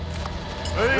はい！